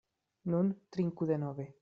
Nun, trinku denove.